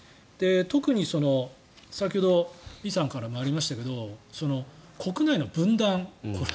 特に先ほど李さんからもありましたけれど国内の分断。